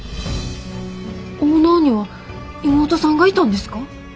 オーナーには妹さんがいたんですか？